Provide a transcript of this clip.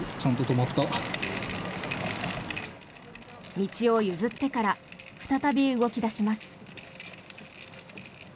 道を譲ってから再び動き出します。